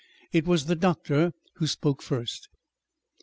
It was the doctor who spoke first.